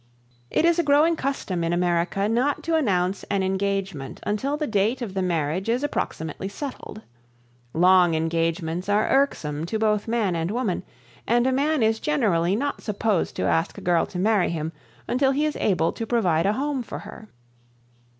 It is a growing custom in America not to announce an engagement until the date of the marriage is approximately settled. Long engagements are irksome to both man and woman, and a man is generally not supposed to ask a girl to marry him until he is able to provide a home for her.